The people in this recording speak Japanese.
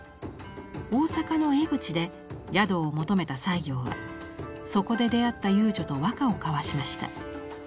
大阪の江口で宿を求めた西行はそこで出会った遊女と和歌を交わしました。